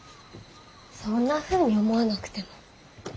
そんなふうに思わなくても。